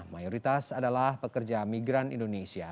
mayoritas adalah pekerja migran